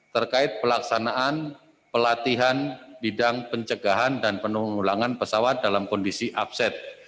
terkait pelaksanaan pelatihan bidang pencegahan dan penulangan pesawat dalam kondisi upset